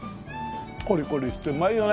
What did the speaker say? コリコリしてうまいよね。